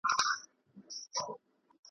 تر ښارونو یې وتلې آوازه وه .